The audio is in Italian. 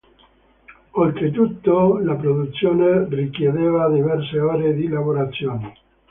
Oltretutto, la produzione richiedeva diverse ore di lavorazione.